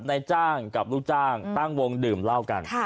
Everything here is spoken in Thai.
นายจ้างกับลูกจ้างตั้งวงดื่มเหล้ากัน